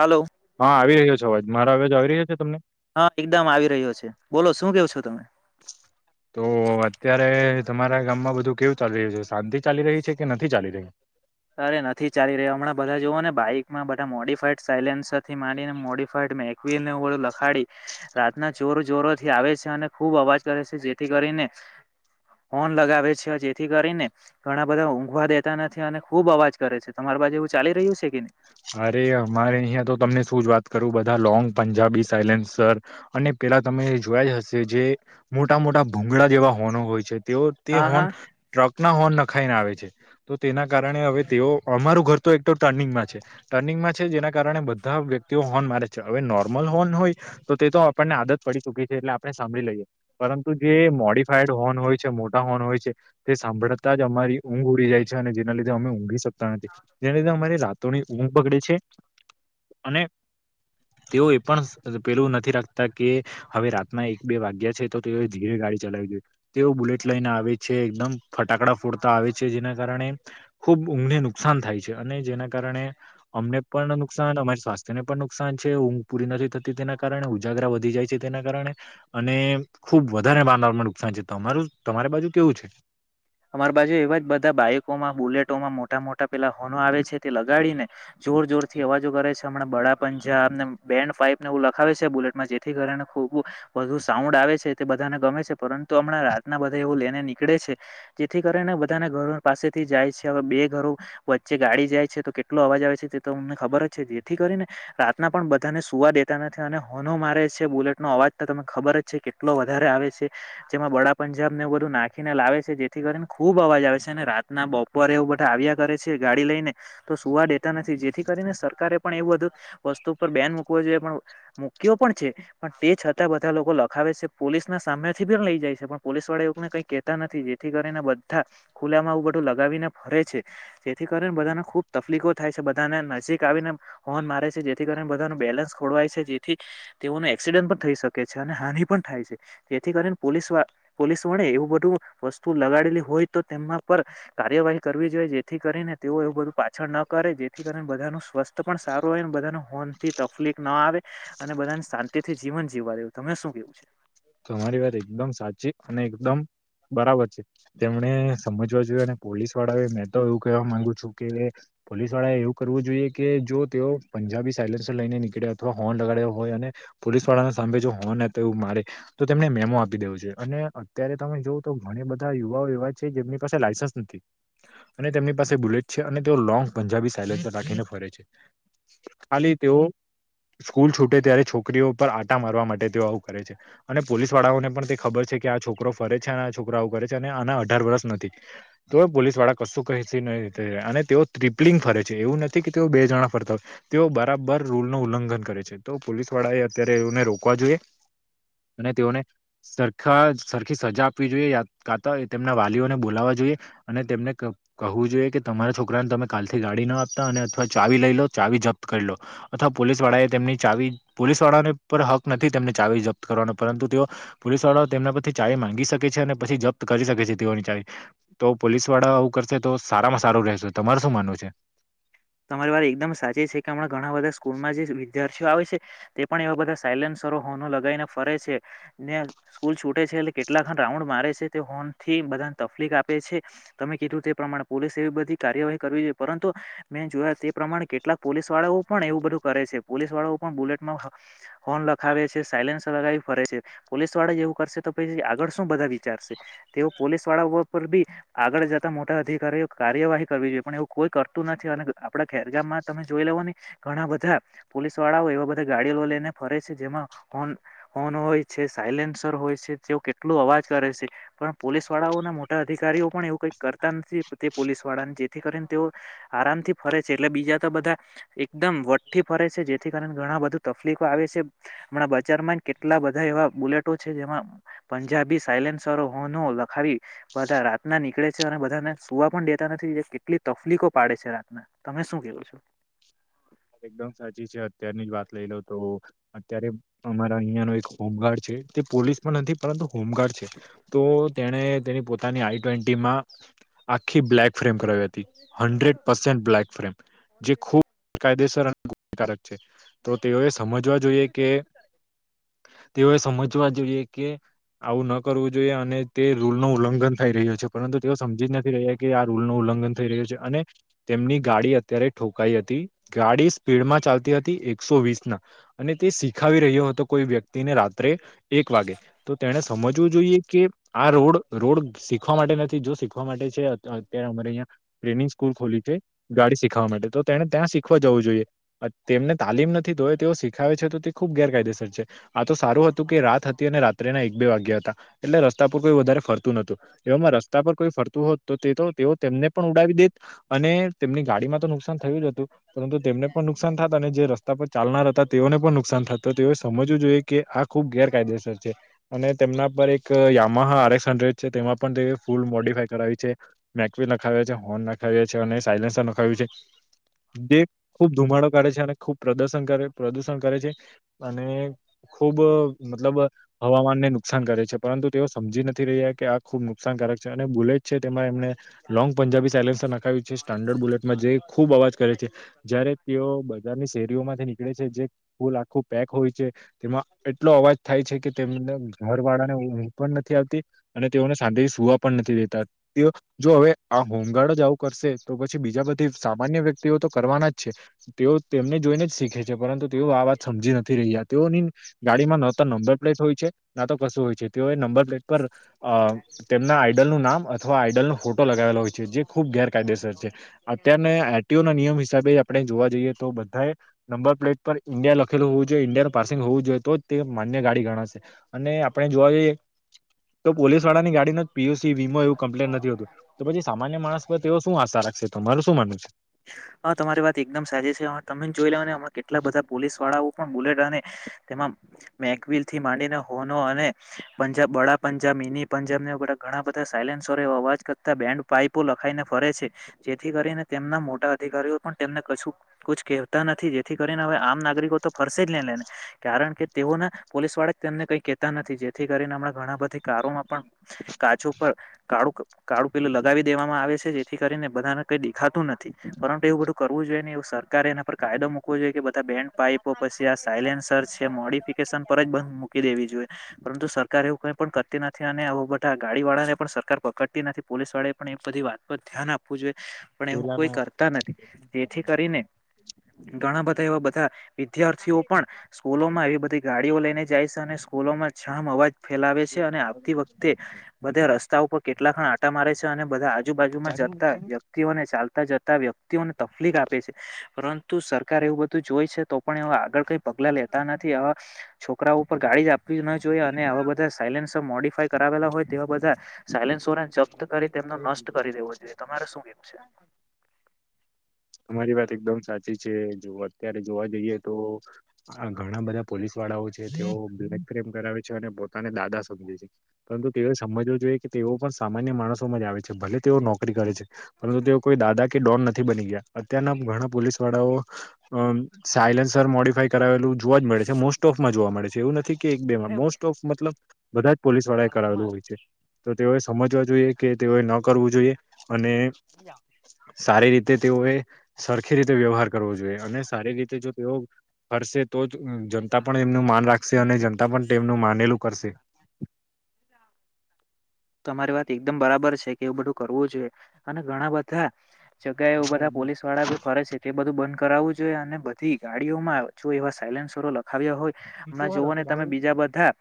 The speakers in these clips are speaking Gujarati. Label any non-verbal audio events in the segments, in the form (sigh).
હાલો હા, આવી રહ્યો છે અવાજ મારા અવાજ આવી રહ્યો છે તમને? હા, એકદમ આવી રહ્યો છે, બોલો શું કેવો છો તમે? તો અત્યારે તમારા ગામમાં બધું કેવું ચાલી રહ્યું છે, શાંતિ ચાલી રહી છે કે નથી ચાલી રહી? અરે નથી ચાલી રહ્યો હમણાં બધા જોઓ ને બાઈકમાં બધા મોડીિફાઈડ સાયલેન્સથી માંડીને મોડીફાઈડ મેગવીલ લખાડી રાતના ચોર જોરો થી આવે છે, અને ખુબ અવાજ કરે છે જેથી કરી ન લગાવે છે જેથી કરીને ઘણા બધા ઊઘવા દેતા નથી અને ખુબ અવાજ કરે છે, તમારી બાજુ એવું ચાલી રહ્યું છે કે ન? અરે અમારે અહીં તો તમને શું જ વાત કરું બધા લોંગ પંજાબી સાયલેસ અને પેલા તમે જોયા જ હશે જે મોટા મોટા ભૂંગળા જેવા હોનો હોય છે, તે તે હા હા હોન ટ્રક ના હોન ન ખાઈને આવે છે તો તેના કારણે હવે તેઓ અમારું ઘર તો એક તો ટર્નિંગમાં છે, ટર્નિંગમાં છે, જેના કારણે બધા વ્યક્તિઓ હોર્ન મારે છે, હવે નોર્મલ હોર્ન હોય તો તે તો આપણને મદદ પડી ચુકી છે, એટલે આપણે સાંભળી લઈએ પરંતુ જે મોડિફાઈડ હોર્ન હોય છે, મોટા હોર્ન હોય છે. તે સાંભળતા જ અમારી ઊંઘ ઉડી જાય છે, અને જેના લીધે અમે ઊઘી શકતા નથી જેના લીધે અમારી રા તોની ઊંઘ બગડે છે, અને તેઓ એ પણ પેલું નથી રાખતા કે હવે રાતના એક બે વાગ્યા છે, તો તેઓ ધીરે ગાડી ચલાઈ તેઓ બુલેટ લઈને આવે છે, એકદમ ફટાકડા ફોડતા આવે છે, જેના કારણે ખૂબ ઊંઘને નુકસાન થાય છે, અને જેના કારણે અમને પણ નુકસાન અમારી સ્વાસ્થ્યને પણ નુકસાન છે, ઊંઘ પૂરી નથી થતી તેના કારણે ઉજ ગરા વધી જાય છે, તેના કારણે અને ખુબ વધારે (unintelligible) નુકસાન છે, તમારું તમારી બાજુ કેવું છે. અમારી બાજુ એવા જ બધા બાઈકોમાં બુલેટોમાં મોટા મોટા પેલા હોનો આવે છે, તે લગાડીને જોર જોરથી અવાજો કરે છે, હમણાં બડા પંજાબને બેન્ડ ફેનફાઈપને એવું લખાવે છે, બુલેટમાં જેથી કરીને ખૂ બ વધુ સાઉન્ડ આવે છે, તે બધાને ગમે છે, પરંતુ હમણાં રાતના બધા એવું લઈને નીકળે છે. જેથી કરી ને બધાને ઘરો પાસેથી જાય છે, હવે બે ઘરો વચ્ચે ગાડી જાય છે, તો કેટલો અવાજ આવે છે. એ તો અમને ખબર જ છે, જેથી કરીને રાતના પણ બધાને સુવા દેતા નથી અને હોનો મારે છે, બુલેટ નો અવાજ તો તને ખબર જ છે, કેટલો વધારે આવે છે જેમાં બડા પંજાબને એવું બધું નાખીને લાવે છે. જેથી ખુબ અવાજ આવે છે, અને રાતના બપોરે એવું બધા આવ્યા કરે છે, ગાડી લઈને તો સુવા દેતા નથી જે થી કરીને સરકારે પણ એવું બધું વસ્તુ પર બેન મૂકવો જોઈએ પણ મૂક્યો પણ છે, પણ તે છ તા બધા લોકો લખાવે છે, પોલીસના સામેથી બી લઈ જાય છે, પણ પોલીસ વાળા એ લોકને કઈ કેતા નથી જેથી કરીને બધા ખુલામાં આવુ બધું લગાવીને ફરે છે, જેથી કરીને બધાને ખુબ તકલીફો થાય છે. બધાને નજીક આવીને હોર્ન મારે છે, જેથી કરીને બધાનું બેલેન્સ ખોરવાય છે, જેથી તેઓને એક્સિડ નટ થઈ શકે છે, અને હાનિ પણ થાય છે, તેથી કરીને પોલીસ વા પોલીસ વડે એવું બધું વસ તુ લગાડેલી હોય તો તેમના પર કાર્યવાહી કરવી જોઈએ જેથી કરીને તેઓ એવું બધું પાછળ ન કરે જેથી કરીને બધાનું સ્વસ્થ પણ સારું હોય બધા હોન થી તકલીફ ના આવે અને બધાને શાંતિ થી જીવન જીવવા દેવુ તમે શું કેવું છે? તમારી વાત એકદમ સાચી અને એકદમ બરાબર છે, તેમણે સમજવા જોયે અને પોલીસ વાળા એ મેં તો એવું કહેવા માંગુ છું કે પોલીસ વાળાએ એવું કરવું જોઈએ કે જો તેઓ પંજાબી સાઇલન્સર લઈને નીકળ્યા અથવા હોર્ન લગાડ્યો હોય અને પોલીસ વાળાને સાંભે જો હોન એતો એવું મારે તો તેમને મેમો આપી દેવો જોએ અને અત્યારે તમે જોવો તો ઘણી બધા યુવાઓ એવા છે, જેમની પાસે લાયસન્સ નથી અને તેમની પાસે બુલેટ છે, અને તેઓ લોંગ પંજાબી સાયલેન્સ રાખીને ફરે છે, ખાલી તેઓ સ્કૂલ છૂટે ત્યારે છોકરીઓ પર આટા મારવા માટે તેઓ આવું કરે છે. અને પોલીસ વાળાઓને પણ તે ખબર છે, કે આ છોકરો ફરે છે, અને આ છોકરા આવું કરે છે, અને આના અઢાર વર્ષ નથી તોએ પોલીસ વાળા કશું કહસે નહી (unintelligible) અને તેઓ ટ્રિપલિંગ ફરે છે, એવું નથી કે તેઓ બે જણા ફરતા હોય તેઓ બરાબર રૂલ નું ઉલ્લંઘન કરે છે, તો પોલીસ વાળાએ અત્યારે એઓને રોકવા જોએ અને તેઓને સરખા સરખી સજા આપવી જોઈએ યા કાતો તેમના વાલીઓને બોલાવવા જોઈએ અને તેમને ક કહવું જોઈએ કે તમારા છોકરાને તમે કાલ થી ગાડી ના આપતા અને અથવા ચાવી લઈ લો ચાવી જ પ્ત કરલો અથવા પોલીસ વાળાએ તેમની ચાવી પોલીસ વાળાને પર હક નથી તેમને ચાવી જપ્ત કરવાનો પરંતુ તેઓ પોલીસ વાળા તેમના પરથી ચાવી માંગી શકે છે, અને પછી જપ્ત કરી શકે છે, તેઓની ચાવી તો પોલીસ વાળા આવું કરશે તો સારામાં સારું રહેશે તમારે શું માનવું છે? તમારી વાર એકદમ સાચી છે, કે હણાં ઘણા બધા સ્કૂલમાં જે વિદ્યાર્થીઓ આવે છે, તે પણ એવા બધા સાયલેન્સરો હોનું લગાવને ફરે છે, ને સ્કૂલ છૂટે છે. એટલે કેટલા ખણ રાઉન્ડ મારે છે, તે હોર્ન થી બધા તકલીફ આપે છે, તમે કીધું તે પ્રમાણે પોલીસેએ બધી કાર્યવાહી કરવી જોઈએ પરંતુ મે જોયા તે પ્રમાણે કેટલાક પોલીસ વાળાઓ પણ એવું બધું કરે છે, પોલીસ વાળાઓ પણ બુલેટમાં હો હોન લખાવે છે, સાયલન્સર લગાવી ફરે છે, પોલીસ વાળા એવું કરશે તો પછી આગળ શું બધા વિચારશે તેઓ પોલીસ વાળા ઉપર બી આગળ જતા મોટા અધિકારીઓ કાર્યવાહી કરવી જોઈએ પણ એવું કોઈ કરતું ન થી અને આપડા ખેરગામમાં તમે જોઈ લેઓને ઘણા બધા પોલીસ વાળાઓ એવા બધા ગાડીઓ લઈને ફરે છે, જેમાં હોન હોન હોય છે, સાયલેન્સર હોય છે, તેઓ કેટલો અવાજ કરે છે, પણ પોલીસ વાળાઓના મોટા અધિકારીઓ પણ એવું કઈક કરતા નથી તે પોલીસ વાળાને જેથી કરીને તેઓ આરામ થી ફરે છે એટલે બીજા તો બધા એકદમ વટથી ફરે છે જેથી કારણે ઘણા બધું તકલીફો આવે છે છે હમણાં બજારમાં કેટલા બધા એવા બુલેટો છે જેમાં પંજાબી સાઇલન્સરો નો લખાવી બધા રાત ના નીકળે છે અને બધાને સુવા પણ દેતા નથી જે કેટલી તકલીકો પાડે છે રાતના તમે શું કેવો છો. એકદમ સાચી છે અત્યારની જ વાત લઈ લો તો અત્યારે અમારા અહિયાં નો એક હોમગાર્ડ છે તે પોલીસ પણ નથી પરંતુ હોમગાર્ડ છે તો તેણે તેની પોતાની આઈ ટ્વેન્ટીમાં આખી બ્લેક ફ્રેમ કરાવી હતી હન્ડ્રેડ પસેન્ટ બ્લેક ફ્રેમ જે ખૂબ કાયદેસર અને ગુનાકારક છે તો તેઓએ સમજવા જોઈએ કે તેઓએ સમજવા જોઈએ કે આવ વુ ન કરવું જોઈએ અને તે રૂલ નું ઉલ્લંઘન થઈ રહ્યું છે પરંતુ તેઓ સમજી જ નથી રહ્યા કે આ રૂલનું ઉલ્લંઘન થઈ રહ્યો છે અને તેમની ગાડી અત્યારે ઠોકાઈ હતી ગાડી સ્પીડમાં ચાલતી હતી એકસો વીસ ના અને તે શીખાવી રહ્યો હતો કોઈ વ્યક ને રાત્રે એક વાગે તો તેને સમજ જો જોઈએ કે આ રોડ રોડ શીખવા માટે નથી જો શીખવા માટે છે અત્યારે અમારે અહં ટ્રેનિંગ સ્કૂલ ખોલી છે ગાડી શીખવા માટે તો તેને ત્યાં શી શખ જવું જોઈએ તેમને તાલીમ નથી તોવે તેઓ શીખાવે છે તો તે ખૂબ ગેરકાયદેસર છે આ તો સારું રાત હતી અને રાત્રેના એક બે વાગ્યા હતા એટલે રસ્તા પર કોઈ વધારે ફરતું નતું એવામાં રસ્તા પર ફરતું હોત તો તે તો તેઓ તેમને પણ ઉડાવી દેત અને તેમની ગાડીમાં તો નુકસાન થયું જ હતું. પરંતુ તેમને પણ નુકસાન થાત અને જે રસ્તા પર ચાલનાર હતા તેઓને પણ નુકસાન થાત તો તેઓએ સમજવું જોઈએ કે આ ખૂબ ગેરકાયદેસર છે અને તેમના પર એક યામાહ આરસ હડડ છે તેમાં પણ તે ફૂલ મોડ મો કરાવી છે મેક લખાવ છે હોર્ન લખાવ્યા છે અને સાયલેન્સ લખ્યું છે બે ખૂબ ધુમાડો કરા છે અને ખૂબ પ્રદર્શન કરે પ્રદૂષણ કરે છે અને ખુબ મતલબ હવામાનને નુકસાન કરે છે પરંતુ તેઓ સમજી નથી રહ્યા કે આ ખુબ નુકસાન અને બુલેટ છે તેમાં એમનેંગ પંજાબી સાયન્ખાવ છે સ્ટડ બુલેટમાં જે ખુબ અવાજ કરે છે જારે તેઓ બજારની શેરીઓમાંથી નીકળે છે જે ફૂલ આખું પેક હોય છે તેમાં એટલો અવાજ થાય છે કે તેમને ઘર વાળાને ઊઘ પણ નથી આવતી અને તેઓને શાંતિ થી સુવા નથી દેતા જો હવે આ હોમગાર્ડ જ આવું કરશે તો પછી બીજા બધી સામાન્ય વ્યક્તિ તેઓ તો કરવાના જ છે તેઓ તેમને જોઈને જ શીખે છે પરંતુ તેઓ આ વાત સમજી નથી રહ્યા તેઓની ગાડીમાં ન તો નંબર પ્લેટ હોય છે ના તો કશું હોય છે તે એ નંબર તેમના આઈડલ નું નામ અથવા આઈડલ નો ફોટો લગાવેલો હોય છે જે ખુબ ગેરકાયદેસર અત્યારને ના નિયમ હિસાબે આપણે જોવા જઈએ તો બધા નંબર પ્લેટ પર ઇંડિયા લખેલું હોવ જોઈએ ઇડિયા પાર્સિંગ હોવું જોઈએ તો તે માન્ય ગાડી ગણાશે અને આપણે જોવા જઈએ તો પોલીસ વાળા ની ગાડી ન જ પીયુષ પછી વીમો એવું કમ્પ્લેન નથી હોતું તો પછી સામાન્ય માણસ પર તે શું આશા રાખશે તમારું શું માનું છે? હા તમારી વાત એકદમ સાચી છે તમે જોઈ લ હમણા કેટલા બધા પોલીસ વાળાઓ પણ બુલેટ અને તેમાં મેકવલ થી માંડીને હોનો અને પંજાબ બડા પંજાબ મિની પંજાબ વગ ઘણા બધા સાયલેન્સ અવાજ કરતા બેન્ડ પાઈપો લખાઈને ફરે છે જેથી કરીને તેમના મોટા અધિકારી પણ તેમને કશું કેતા નથી જેથી કરીને હવે આમ નાગરિકો તો ફરસે જ નને લેને કારણ કે તેઓના પોલીસ વાળક તેમને કઈ કેતા નથી જેથી કરીને હમણાં ઘણા બધી કારોમાં પણ કાચું પર કાળું કાળુ પીલું લગાવી દેવામાં આવે છે જેથી કરીને બધાને કઈ દેખાતું નથી પરંતુ એવું બધું કરવું જોઈએ ને એ સરકાર એના પર કાયદો મૂકવો જોઈએ કે બધા બેન પાઈપો પછી આ સાયલેન્સર છે મોડિફિકેશન પર જ બંધ મૂકી દેવી જોઈએ પરંતુ સરકાર એવું કઈ પણ કરતી નથી અને બધા ગાડી વાળા ને પણ સરકાર પકડતી નથી પોલીસ વાળે પણ એ બધી વાત પર ધ્યાન આપવું જોઈએ. પણ એવું કોઈ પેલાના કરતા નથી જેથી કરીને ઘણા બધા એવા બધા વિદ્યાર્થીઓ પણ સ્કૂલોમાં એવી બધી ગાડીઓ લઈને જાય છે અને સ્કૂલોમાં જામ અવાજ ફેલાવે છે અને આવતી વખતે બધા રસ્તા ઉપર કેટલા ખણ આટા મારે છે અને બધા આજુબાજુમાં (unintelligible) વ્યક્તિઓને ચાલતા જ વ્યક્તિઓને તકલીફ આપે છે. પરંતુ સરકાર એવું બધું જોઈ છે તો પણ એ આગળ કઈ પગલા લે તા નથી. આ છોકરાઓ પણ ગાડી જ આપ ના જોઈએ, અને આવા બધા સાયલેન્સર મોડીફાય કરાવેલા હોય તેવા બધા સાયલેન્સોને જપ્ત કરી તેમનો નષ્ટ કરી દેવો જોઈએ. તમારે શું કેવું છે? તમારી વાત એકદમ સાચી છે. જો અત્યારે જોવા જઈએ તો, આ ઘણા બધા પોલીસો વાળાઓ છે (unintelligible) કરે છે પોતાને દાદા સમજે છે. પરંતુ તેઓ સમજવુ જોઈએ કે તેઓ પણ સામાન્ય માણસોમાં જ આવે છે. ભલે તેઓ નોકરી કરે છે. પરંતુ કોઈ દાદા કે ડોન નથી બની ગયા. અત્યારના ઘણા પોલીસ વાળાઓ અ સાયલેન્સર મોડીફાય કરાવેલું જોવા જ મળે છે. મોસ્ટ ઓફમાં જોવા મળે છે એવું નથી કે એક બેમાં. રહેવું મોસ્ટ ઓફ મતલબ બધા જ પોલીસવાળાએ કરાવેલું રૂમમાં હોય છે તો તેઓ સમજવા જોઈએ કે તેઓએ ન કરવું જોઈએ. અને સારી રીતે તેઓએ સરખી રીતે વ્યવહાર કરવો જોઈએ અને સારી રીતે જો તેઓ ફરશે, તો જ જનતા પણ એમનું માન રાખશે અને જનતા પણ તેમનું માનેલું કરશે. તમારી વાત એકદમ બરાબર છે કે એવું બધું કરવું જોઈએ અને ઘણા બધા જગ્યાએ એવું બધા પોલીસવાળા બી ફરે છે એ બધું બંધ કરાવવું જોઈએ અને બધી ગાડીઓમાં જો એવા સાયલેન્સરો લખાવ્યા હોય. માં જોવોને તમે બીજા બધા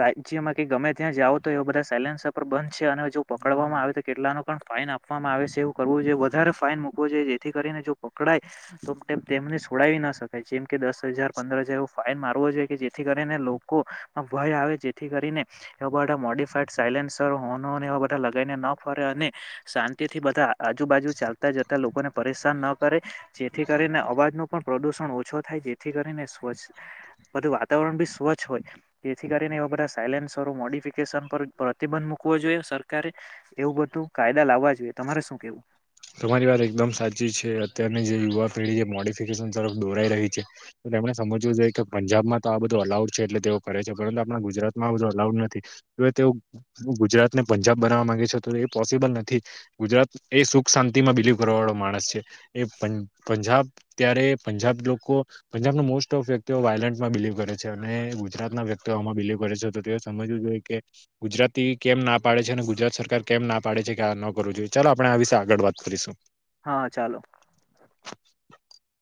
રાજ્યમાં કે ગમે ત્યાં જાઓ તો એ બધા સાયલેન્સ પણ બંધ છે અને જો પકડવામાં આવે તો કેટલાનો પણ ફાઈન આપવામાં આવે છે એવું કરવું જોઈએ. વધારે ફાઈન મુકવો જોઈએ જેથી કરીને જો પકડાય તો તે તેમને છોડાવી ના શકાય. જેમ કે દસ હજાર પંદર, હજાર એવો ફાઇન મારવો જોઈએ, કે જેથી કરીને લોકોમાં ભય આ વે જેથી કરીને એ બધા મોડફાઈડ સાઈલેનસરો હોનોને એવા બધા લગાડીને ના ફરે અને શાંતિથી બધા આજુબાજુ ચાલતા જતા લોકોને પરેશ (inaudible) ન કરે, જેથી કરીને અવાજનું પણ પ્રદુષણ ઓછું થાય. જેથી કરીને સ્વચ્છ બધું વાતાવરણ બી સ્વચ્છ હોય, જેથી કરીને એવા બધા સાયલન્સ રો મોડીફિકેશન પર પ્રતિબંધ મુકવો જોઈએ. સરકારે એવું બધું કાય તમારી વાત એકદમ સાચી છ કે અત્યારની જે યુવા પેઢીએ મોડિફિકેશન તરફ દોરાઈ રહી છે. તો તેમણે સમજવું જોઈએ કે પંજાબમાં તો આ બધું અલાઉડ છે એટલે તેઓ કરે છે. પરંતુ, આપણા ગુજરાતમાં આ બધું અલાઉડ નથી હવે તેઓ ગુજરાતને પંજાબ બનાવા માંગે છે તો એ પોસિબલ નથી. ગુજરાત એ સુખ શાંતિમાં બિલીવ કરવાવાળો માણસ છે. એ પપંજાબ ત્યારે પંજાબ લોકો પંજાબના મોસ્ટ ઓફ વ્યક્તિઓ વાયલેન્ટમાં બિલીવ કરે છે. અને ગુજરાતના વ્યક્તિઓ આમાં બિલીવ કરે છે. તો‌ તેઓ એ સમજવું જોઈએ કે, ગુજરાતી કેમ ના પાડે છે અને ગુજરાત સરકાર કેમ ના પાડે છે કે આનો કરવું જોઈએ. ચાલ આપણે આ વિશે આગળ વાત કરીશું. હા ચાલો